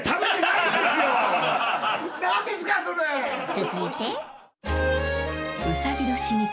［続いて］